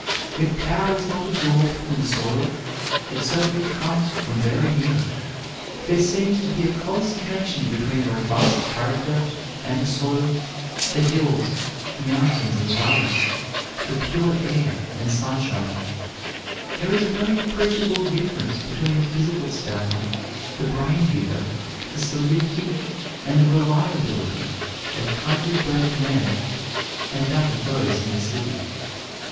If power is not absorbed from the soil, it certainly comes from very near it. There seems to be a close connection between robust character and the soil, the hills, mountains and valleys, the pure air and sunshine. There is a very appreciable difference between the physical stamina, the brain vigor, the solidity and the reliability of country bred men and that of those in the city.